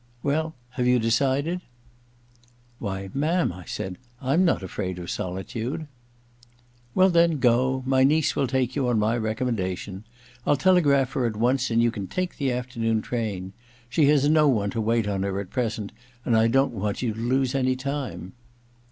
... Well, have you decided ?'* Why, ma'am,' I said, * I'm not afraid of solitude.' * Well, then, go ; my niece will take you on my recommendation. I'll telegraph her at once and you can take the afternoon train. She has no one to wait on her at present, and I don't want you to lose any time.'